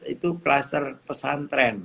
itu kluster pesantren